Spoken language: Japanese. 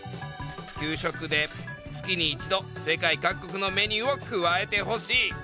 「給食で月に一度世界各国のメニューを加えて欲しい」。